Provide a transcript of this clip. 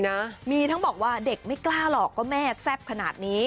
นะมีทั้งบอกว่าเด็กไม่กล้าหรอกก็แม่แซ่บขนาดนี้